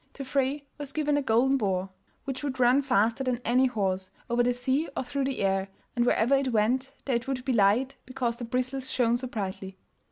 To Frey was given the golden boar, which would run faster than any horse, over the sea or through the air, and wherever it went, there it would be light, because the bristles shone so brightly.